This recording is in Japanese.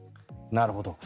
なるほど。